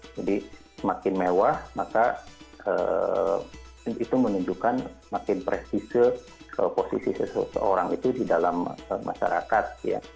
jadi semakin mewah maka itu menunjukkan makin prestise posisi seseorang itu di dalam masyarakat